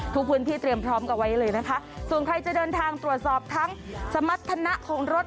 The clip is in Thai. ทุกพื้นที่เตรียมพร้อมกันไว้เลยนะคะส่วนใครจะเดินทางตรวจสอบทั้งสมรรถนะของรถ